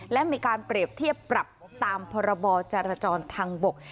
และมีการเปรียบเทียบปรับตามพรบจรจรทางบก